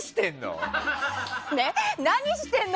何してるの？